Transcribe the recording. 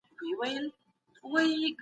له ښکېلاک څخه د خلاصون لاره څه ده؟